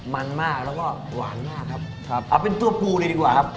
มันมากแล้วก็หวานมากครับครับเอาเป็นตัวปูเลยดีกว่าครับ